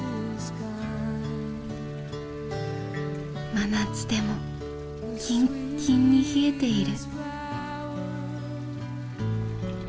真夏でもキンキンに冷えている。